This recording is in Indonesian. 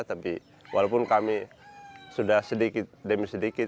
tapi walaupun kami sudah sedikit demi sedikit